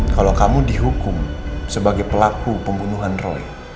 kalau kamu dihukum sebagai pelaku pembunuhan roy